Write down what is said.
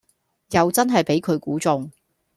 又真係俾佢估中